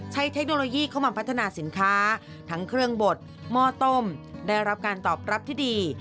เทคโนโลยีเข้ามาพัฒนาสินค้าทั้งเครื่องบดหม้อต้มได้รับการตอบรับที่ดี